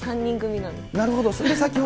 なるほど。